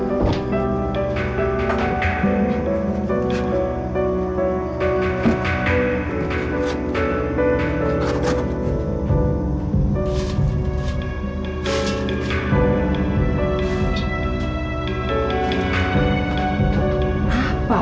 aku akan membuat ramuan ajaib buat penangkal asap si pri lalai